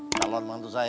kalauan mantu saya